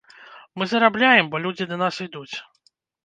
Мы зарабляем, бо людзі да нас ідуць.